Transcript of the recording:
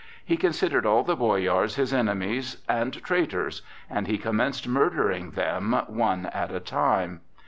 He considered all the boyars his enemies and traitors; and he commenced murdering them, one at a time.